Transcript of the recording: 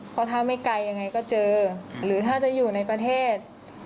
เพราะถ้าไม่ไกลยังไงก็เจอหรือถ้าจะอยู่ในประเทศ